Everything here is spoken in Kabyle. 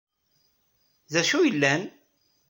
D acu yellan?